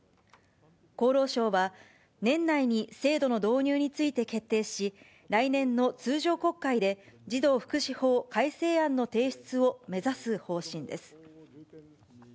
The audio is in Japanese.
厚労省は、年内に制度の導入について決定し、来年の通常国会で、児童福祉法改正案の提出を目指す方針です。